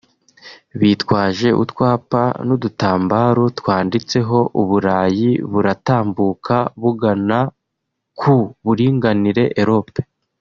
Bitwaje utwapa n’udutambaro twaniditseho "Uburayi buratambuka bugana ku buringanire Europe"